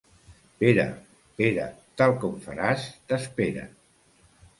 Pere, Pere, tal com faràs t'espera.